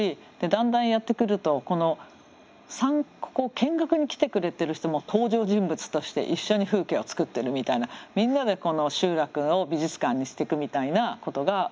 だんだんやってくるとここを見学に来てくれてる人も登場人物として一緒に風景を作ってるみたいなみんなでこの集落を美術館にしていくみたいなことが起こって。